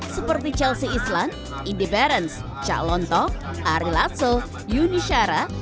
seperti chelsea island indy barrens cak lontok ari lazo yuni syarat